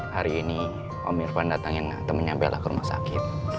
hari ini om irfan datangin atau menyembelah ke rumah sakit